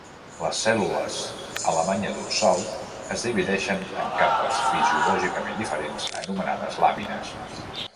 Les cèl·lules a la banya dorsal es divideixen en capes fisiològicament diferents anomenades làmines.